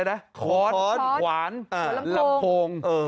ควานลำโพงควานลำโพงควานลำโพง